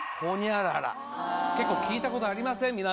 結構聞いたことありません？